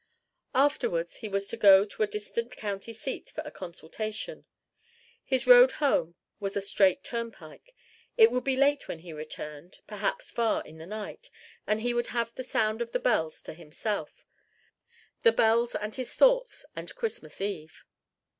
Afterwards he was to go to a distant county seat for a consultation. His road home was a straight turnpike: it would be late when he returned, perhaps far in the night; and he would have the sound of the bells to himself the bells and his thoughts and Christmas Eve.